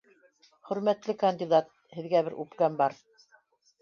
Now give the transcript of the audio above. Хөрмәтле кандидат, һеҙгә бер үпкәм бар